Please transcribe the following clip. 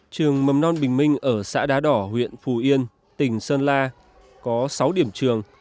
trường mầm non bình minh ở xã đá đỏ huyện phù yên tỉnh sơn la có sáu điểm trường